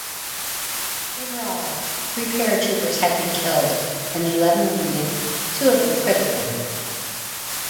Overall, three paratroopers had been killed, and eleven wounded, two of them critically.